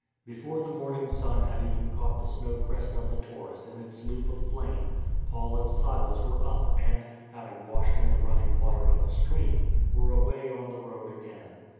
Before the morning sun had even caught the snow crest of the Taurus in its loop of flame, Paul and Silas were up and, having washed in the running water of the stream, were away on the road again.